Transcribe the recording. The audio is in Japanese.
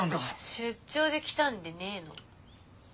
出張で来たんでねえの？